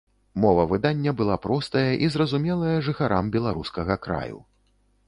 Мова выдання была простая і зразумелая жыхарам беларускага краю.